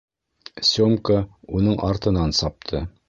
Сёмка уның артынан сапты.